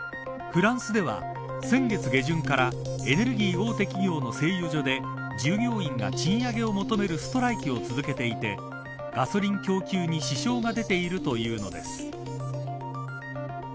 フランスでは先月下旬からエネルギー大手企業の製油所で従業員が賃上げを求めるストライキを続けていてガソリン供給に支障が出ているというのです。